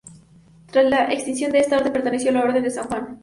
Tras la extinción de esta orden perteneció a la Orden de San Juan.